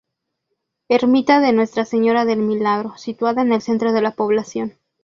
Ermita de Nuestra Señora del Milagro, situada en el centro de la población.